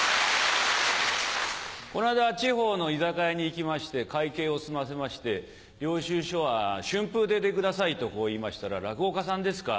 この間地方の居酒屋に行きまして会計を済ませまして「領収書は春風亭でください」とこう言いましたら「落語家さんですか？